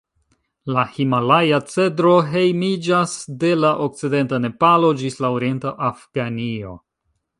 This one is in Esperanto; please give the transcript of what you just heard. La himalaja-cedro hejmiĝas de la okcidenta Nepalo ĝis la orienta Afganio.